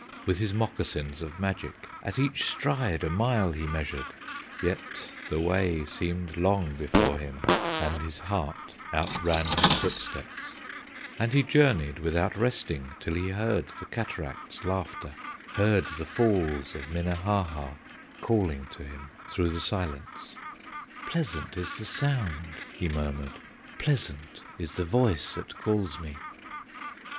With his moccasins of magic, At each stride a mile he measured; Yet the way seemed long before him, And his heart outran his footsteps; And he journeyed without resting, Till he heard the cataract's laughter, Heard the Falls of Minnehaha Calling to him through the silence. "Pleasant is the sound!" he murmured, "Pleasant is the voice that calls me!"